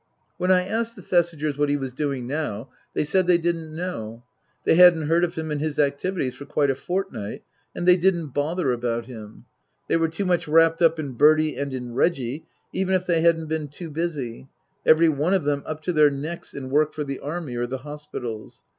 When I asked the Thesigers what he was doing now they said they didn't know. They hadn't heard of him and his activities for quite a fortnight, and they didn't bother about him. They were too much wrapped up in Bertie and in Reggie, even if they hadn't been too busy every one of them up to their necks in work for the Army or the hospitals.